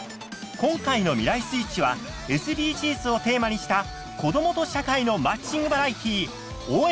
今回の「未来スイッチ」はＳＤＧｓをテーマにした子どもと社会のマッチングバラエティー「応援！